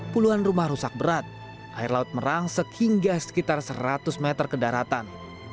puluhan rumah rusak berat air laut merangsek hingga sekitar seratus meter ke daratan